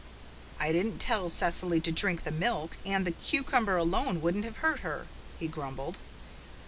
"I didn't tell Cecily to drink the milk, and the cucumber alone wouldn't have hurt her," he grumbled.